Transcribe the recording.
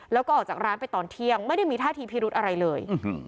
แล้วก็ออกจากร้านไปตอนเที่ยงไม่ได้มีท่าทีพิรุธอะไรเลย